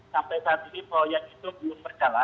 sampai saat ini proyek itu belum berjalan